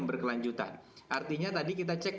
berkelanjutan artinya tadi kita cek